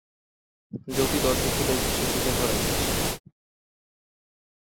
জ্যোতি দরজা খুলে একটি শিশুকে ঘরে নিয়ে আসেন।